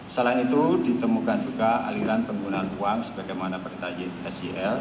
selain itu ditemukan juga aliran penggunaan uang sebagaimana perintah sel